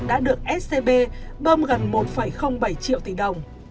đã được scb bơm gần một bảy triệu tỷ đồng